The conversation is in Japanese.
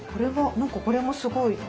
何かこれもすごい。